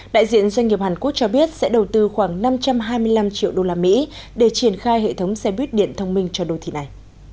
đại diện doanh nghiệp hàn quốc cho biết sẽ đầu tư khoảng năm trăm hai mươi năm triệu usd để triển khai hệ thống xe buýt điện thông minh cho đô thị này